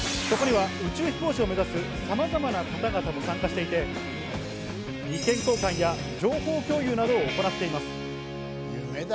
そこには宇宙飛行士を目指す、さまざまな方々が参加していて意見交換や情報共有などを行っています。